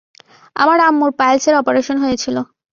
আমার আম্মুর পাইলসের অপারেশন হয়েছিলো।